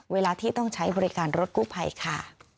เวลาที่ต้องใช้บริการรถกู้ภัยค่ะ